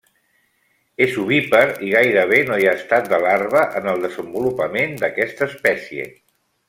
És ovípar i gairebé no hi ha estat de larva en el desenvolupament d'aquesta espècie.